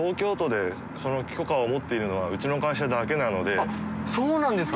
淵▲蕁あっそうなんですか？